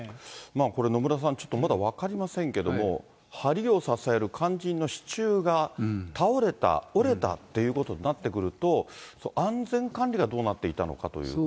これ、野村さん、ちょっとまだ分かりませんけども、はりを支える肝心の支柱が倒れた、折れたってことになってくると、安全管理がどうなっていたのかということ。